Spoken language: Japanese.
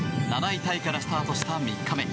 ７位タイからスタートした３日目。